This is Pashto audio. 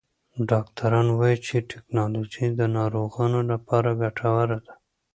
ډاکټران وایې چې ټکنالوژي د ناروغانو لپاره ګټوره ده.